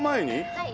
はい。